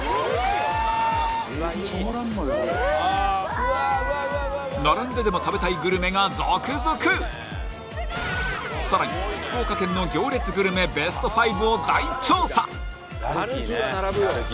すごい並んででも食べたいグルメが続々さらに福岡県の行列グルメベスト５を大調査らる